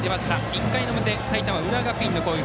１回表、埼玉・浦和学院の攻撃。